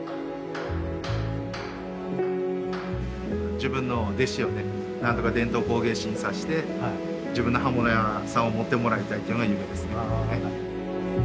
自分の弟子をねなんとか伝統工芸士にさせて自分の刃物屋さんを持ってもらいたいっていうのが夢ですね。